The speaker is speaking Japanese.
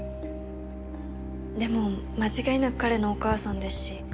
でも間違いなく彼のお母さんですし。